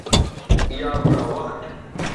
یا گڑا وخت